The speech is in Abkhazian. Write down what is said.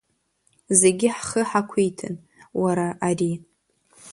Зегьы ҳхы ҳақәиҭын, уара, ари…